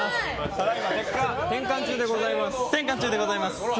ただいま転換中でございます。